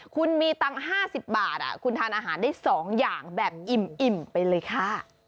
คุณมีตังค์๕๐บาทคุณทานอาหารได้๒อย่างแบบอิ่มไปเลยค่ะ